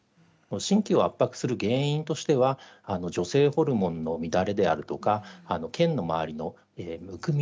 神経を圧迫する原因としては女性ホルモンの乱れであるとか腱の回りのむくみ。